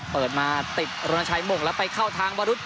เปิดมาติดรณชัยหม่งแล้วไปเข้าทางวรุษ